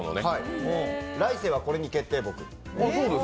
来世はこれに決定、僕。